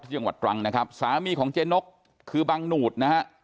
จังหวัดตรังนะครับสามีของเจ๊นกคือบังหนูดนะฮะ